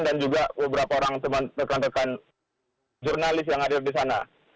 dan juga beberapa orang teman teman jurnalis yang ada di sana